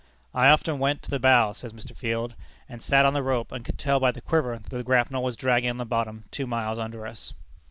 "I often went to the bow," says Mr. Field, "and sat on the rope, and could tell by the quiver that the grapnel was dragging on the bottom two miles under us."